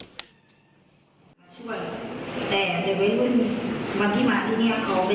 ช่วยแต่เดี๋ยวไว้รู้บางที่หมาที่เนี้ยเขาไปทำงานกัน